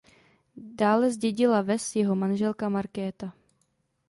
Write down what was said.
Dále zdědila ves jeho manželka Markéta.